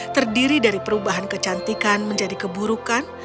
terdiri dari perubahan kecantikan menjadi keburukan